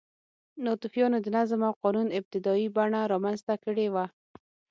ناتوفیانو د نظم او قانون ابتدايي بڼه رامنځته کړې وه.